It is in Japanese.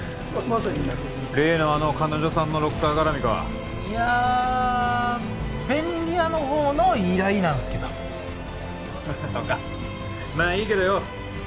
例のあの彼女さんのロッカーがらみかいやー便利屋のほうの依頼なんすけどそうかまあいいけどよ